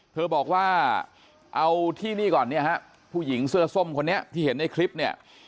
เธอบอกว่าเอาที่นี่ก่อนเนี่ยฮะผู้หญิงเสื้อส้มคนนี้ที่เห็นในคลิปเนี่ย